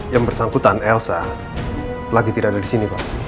yang bersangkutan elsa lagi tidak ada disini pak